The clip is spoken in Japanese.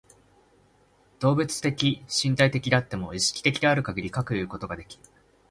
動物的身体的であっても、意識的であるかぎりかくいうことができる。